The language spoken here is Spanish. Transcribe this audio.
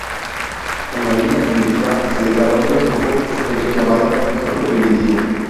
En la línea primitiva se desarrolla un surco estrecho llamado "Surco Primitivo".